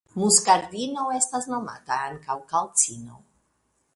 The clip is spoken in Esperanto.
Muskardino estas nomata ankaŭ kalcino.